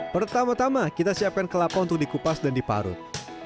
pertama tama kita siapkan kelapa untuk dikupas dan diparut